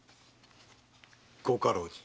ご家老に。